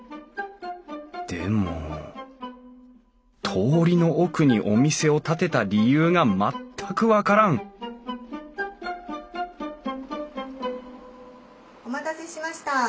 でも通りの奥にお店を建てた理由が全く分からんお待たせしました。